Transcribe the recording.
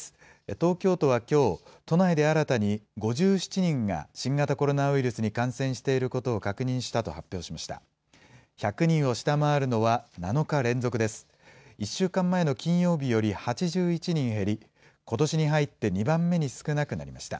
東京都はきょう、都内で新たに５７人が新型コロナウイルスに感染していることを確認したと発表しました。